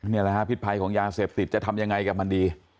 นี่แหละฮะพิษภัยของยาเสพติดจะทำยังไงกับมันดี